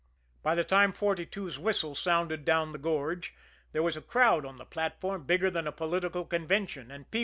By the time Forty two's whistle sounded down the gorge, there was a crowd on the platform bigger than a political convention, and P.